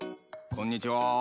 こんにちは。